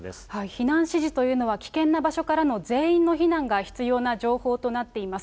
避難指示というのは危険な場所からの全員の避難が必要な情報となっています。